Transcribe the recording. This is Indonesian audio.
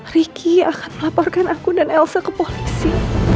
riki akan laporkan aku dan elsa ke polisi